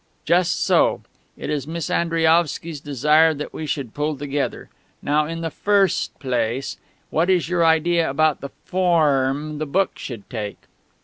"Just so. It is Miss Andriaovsky's desire that we should pull together. Now, in the firrst place, what is your idea about the forrm the book should take?"